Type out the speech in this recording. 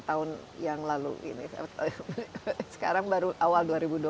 tahun yang lalu ini sekarang baru awal dua ribu dua puluh